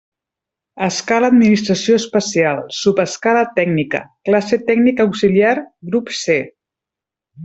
Escala administració especial, subescala tècnica, classe tècnic auxiliar, grup C.